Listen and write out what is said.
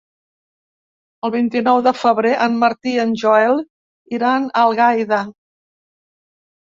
El vint-i-nou de febrer en Martí i en Joel iran a Algaida.